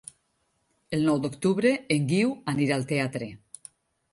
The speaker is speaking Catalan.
El nou d'octubre en Guiu anirà al teatre.